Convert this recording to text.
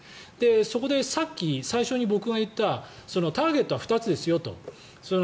そこでさっき最初に僕が言ったターゲットは２つですよと。